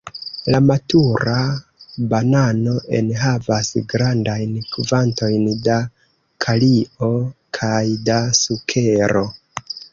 La matura banano enhavas grandajn kvantojn da kalio kaj da sukero.